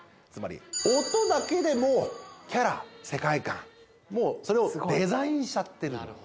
つまり、音だけでもう、キャラ、世界観、それをデザインしちゃってる。